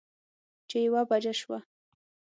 چې يوه بجه شوه